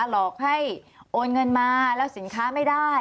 หลอกให้โอนเงินมาแล้วสินค้าไม่ได้